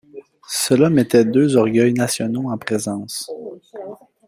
Cela mettait deux orgueils nationaux en présence.